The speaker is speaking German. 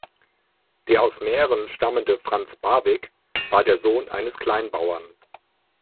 Der aus Mähren stammende Franz Barwig war der Sohn eines Kleinbauern.